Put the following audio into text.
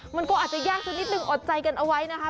มันก็อาจจะยากสักนิดนึงอดใจกันเอาไว้นะคะ